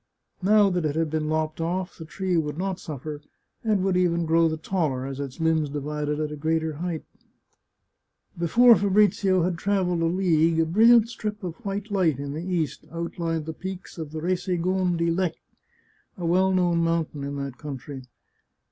Now that it had been lopped oflF, the tree would not suffer, and would even grow the taller, as its limbs divided at a greater height. Before Fabrizio had travelled a league, a brilliant strip 178 The Chartreuse of Parma of white light in the east outlined the peaks of the Resegon di Lek, a well known mountain in that country.